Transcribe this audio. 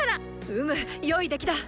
うむ良い出来だ！